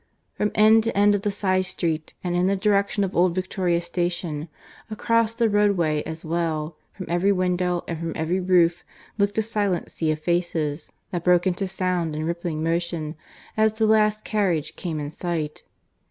From end to end of the side street, and in the direction of Old Victoria Station, across the roadway as well, from every window and from every roof, looked a silent sea of faces, that broke into sound and rippling motion as the last carriage came in sight.